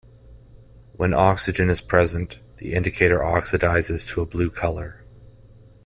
When oxygen is present, the indicator oxidizes to a blue colour.